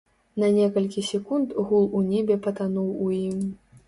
На некалькі секунд гул у небе патануў у ім.